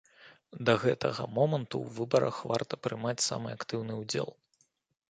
Да гэтага моманту ў выбарах варта прымаць самы актыўны ўдзел.